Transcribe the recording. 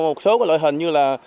có một số loại hình như là